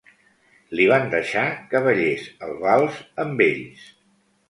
Li van deixar que ballés el vals amb ells.